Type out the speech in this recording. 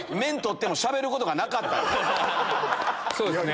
そうですね。